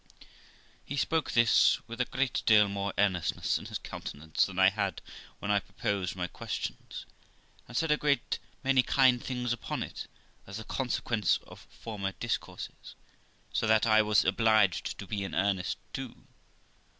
He spoke this with a great deal more earnestness in his countenance than I had when I proposed my questions, and said a great many kind things upon it, as the consequence of former discourses, so that I was obliged to be in earnest too.